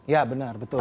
ya benar betul